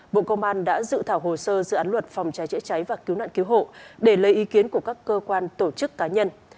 bộ công an đã dự thảo hồ sơ dự án luật phòng cháy chữa cháy và cứu nạn cứu hộ để lấy ý kiến của các cơ quan tổ chức cá nhân